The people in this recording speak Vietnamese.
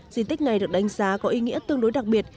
di tích này được đánh giá có ý nghĩa tương đối đặc biệt